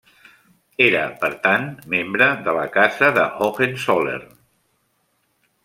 Era, per tant, membre de la Casa de Hohenzollern.